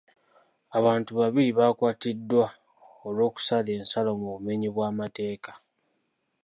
Abantu babiri bakwatiddwa olw'okusala ensalo mu bumenyi bw'amateeka.